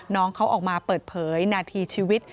น้องเขาออกมาเปิดเผยนาทีชีวิต